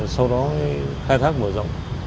sau đó khai thác mở rộng